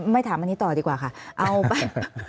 ไม่ถามอันนี้ต่อกันไปก่อนดีกว่าค่ะเอ้าไป